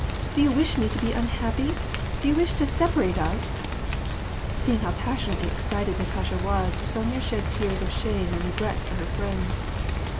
" Do you wish me to be un happy ? Do you wish to separate us "— Seeing how passionately excited Natasha was, Sonya shed tears of shame and regret for her friend.